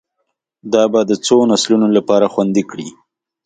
دا به د څو نسلونو لپاره خوندي کړي